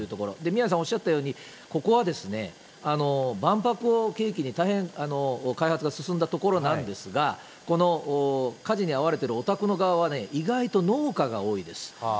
宮根さんおっしゃったように、ここは万博を契機に大変開発が進んだ所なんですが、この火事に遭われているお宅の側はね、意外と農家が多いです。